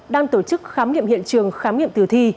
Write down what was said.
đang tổ chức khám nghiệm hiện trường khám nghiệm tử thi